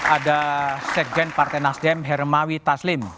ada sekjen partai nasdem hermawi taslim